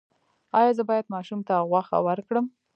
ایا زه باید ماشوم ته غوښه ورکړم؟